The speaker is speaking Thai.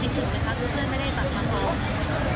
คิดถึงไหมคะคุณเพื่อนไม่ได้ตัดมาซ้อม